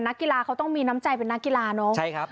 นักกีฬาเขาต้องมีน้ำใจเป็นนักกีฬาเนอะใช่ครับ